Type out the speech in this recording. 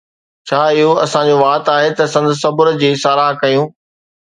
ڇا اھو اسان جو وات آھي ته سندس صبر جي ساراھہ ڪريون؟